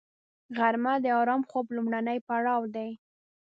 غرمه د آرام خوب لومړنی پړاو دی